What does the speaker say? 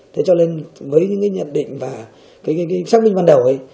thế cho nên với những cái nhận định và cái xác minh ban đầu ấy